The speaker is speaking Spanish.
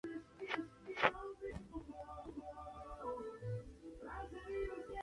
El siguiente diagrama muestra a las localidades en un radio de de Nashville.